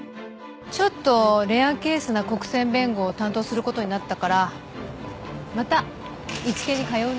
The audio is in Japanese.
ちょっとレアケースな国選弁護を担当することになったからまたイチケイに通うね。